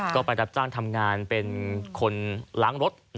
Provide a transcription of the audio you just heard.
ก็ไปรับจ้างทำงานเป็นคนล้างรถ